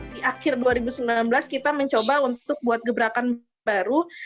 di akhir dua ribu sembilan belas kita mencoba untuk buat gebrakan baru